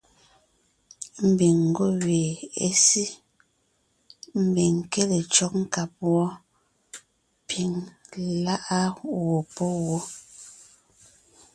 Ḿbiŋ ńgwɔ́ gẅie é sí, ḿbiŋ ńké le cÿɔ́g nkáb wɔ́, piŋ lá’a gwɔ̂ pɔ́ wó.